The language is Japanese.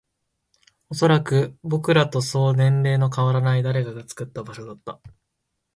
おそらく、僕らとそう年齢の変わらない誰かが作った場所だった